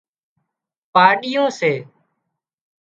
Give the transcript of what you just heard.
پاڏيون سي